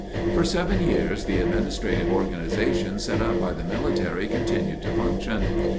For seven years the administrative organization set up by the military continued to function.